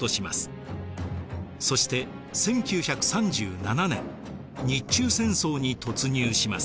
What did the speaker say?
そして１９３７年日中戦争に突入します。